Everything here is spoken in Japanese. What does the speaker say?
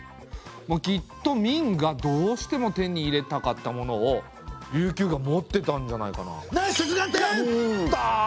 きっと明がどうしても手に入れたかったものを琉球が持ってたんじゃないかな？